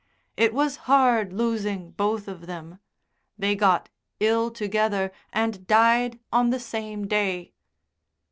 It was hard losing both of them. They got ill together and died on the same day."